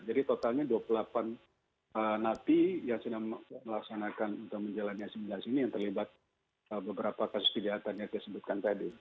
jadi totalnya dua puluh delapan napi yang sedang melaksanakan untuk menjalani asimilasi ini yang terlibat beberapa kasus kejahatan yang saya sebutkan tadi